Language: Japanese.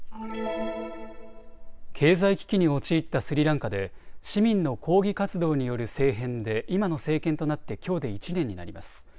経済危機に陥ったスリランカで市民の抗議活動による政変で今の政権となってきょうで１年になります。